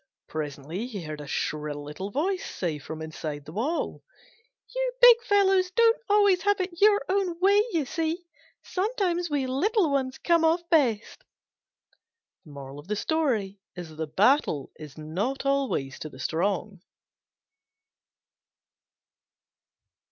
Presently he heard a shrill little voice say from inside the wall, "You big fellows don't always have it your own way, you see: sometimes we little ones come off best." The battle is not always to the strong.